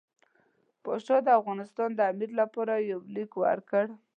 پاشا د افغانستان د امیر لپاره یو لیک ورکړ.